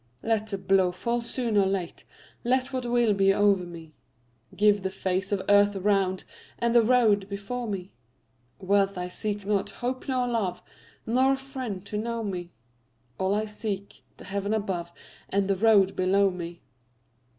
Let the blow fall soon or late, Let what will be o'er me; Give the face of earth around And the road before me. Wealth I seek not, hope nor love, Nor a friend to know me; All I seek, the heaven above And the road below me.